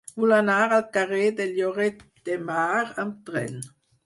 Vull anar al carrer de Lloret de Mar amb tren.